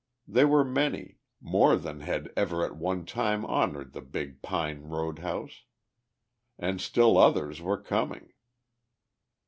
They were many, more than had ever at one time honoured the Big Pine road house. And still others were coming.